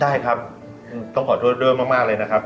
ได้ครับต้องขอโทษด้วยมากเลยนะครับ